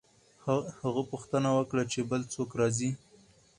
هغه پوښتنه وکړه چې بل څوک راځي؟